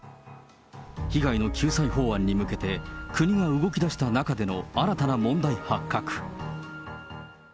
被害の救済法案に向けて、国が動きだした中での新たな問題発覚。